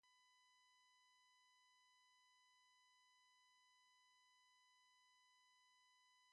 The rites may be performed by anyone, as occasion demands.